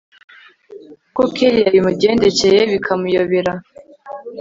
uko kellia bimugendekeye bikamuyobera